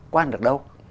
quá ăn được đâu